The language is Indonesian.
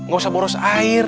gak usah boros air